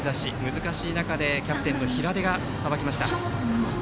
難しい中でキャプテンの平出がさばきました。